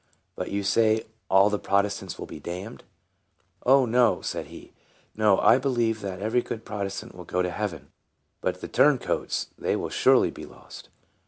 But you say all the Protestants will be damned." " Oh, no," said he, " no ; I believe that every good Protestant will go to heaven ; but the turn coats they will surely be lost."